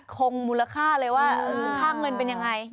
คงมูลค่าเลยว่าค่าเงินเป็นยังไง